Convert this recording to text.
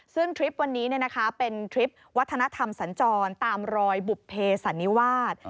ซึ่งทริปวันนี้เป็นทริปวัฒนธรรมสัญจรตามรอยบุภเพสันนิวาส